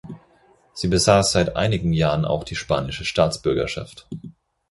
Sie besaß seit einigen Jahren auch die spanische Staatsbürgerschaft.